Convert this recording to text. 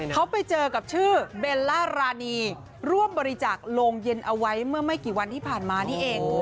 เขาไปเจอกับชื่อเบลล่ารานีร่วมบริจาคโรงเย็นเอาไว้เมื่อไม่กี่วันที่ผ่านมานี่เอง